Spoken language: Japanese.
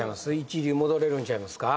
一流戻れるんちゃいますか？